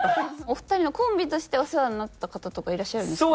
お二人のコンビとしてお世話になった方とかいらっしゃるんですか？